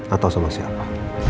atau sama siapa